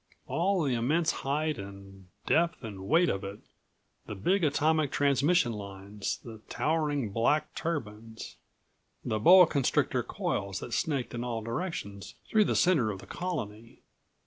All the immense height and depth and weight of it, the big atomic transmission lines, the towering black turbines, the boa constrictor coils that snaked in all directions through the center of the Colony.